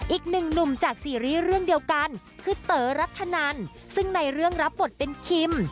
อีกหนึ่งหนุ่มจากซีรีส์เรื่องเดียวกันคือเต๋อรัฐนันซึ่งในเรื่องรับบทเป็นคิม